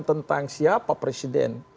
tentang siapa presiden